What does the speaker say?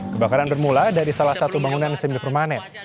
kebakaran bermula dari salah satu bangunan semi permanen